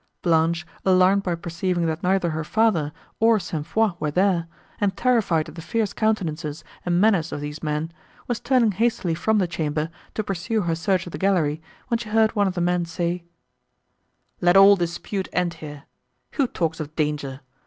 Blanche, alarmed by perceiving that neither her father, nor St. Foix were there, and terrified at the fierce countenances and manners of these men, was turning hastily from the chamber, to pursue her search of the gallery, when she heard one of the men say: "Let all dispute end here. Who talks of danger?